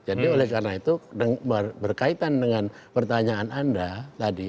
jadi oleh karena itu berkaitan dengan pertanyaan anda tadi